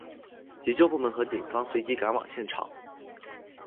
急救部门和警方随即赶往现场。